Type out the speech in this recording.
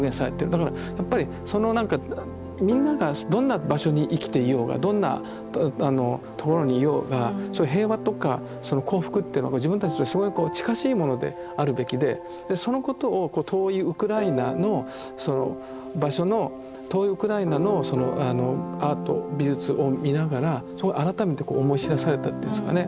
だからやっぱりその何かみんながどんな場所に生きていようがどんなところにいようが平和とかその幸福っていうのが自分たちとすごい近しいものであるべきでそのことを遠いウクライナのその場所の遠いウクライナのアート美術を見ながら改めて思い知らされたというんですかね。